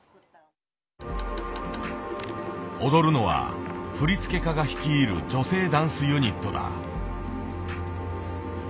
踊るのは振付家が率いる女性ダンスユニットだ。